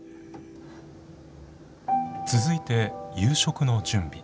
続いて夕食の準備。